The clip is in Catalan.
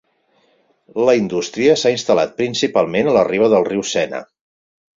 La indústria s'ha instal·lat principalment a la riba del riu Sena.